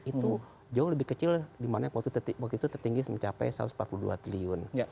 itu jauh lebih kecil dimana waktu itu tertinggi mencapai satu ratus empat puluh dua triliun